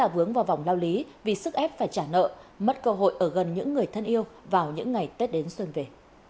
vướng vào vòng lao lý vì sức ép phải trả nợ mất cơ hội ở gần những người thân yêu vào những ngày tết đến xuân về